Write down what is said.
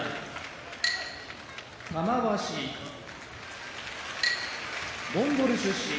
玉鷲モンゴル出身